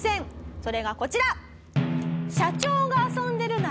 それがこちら！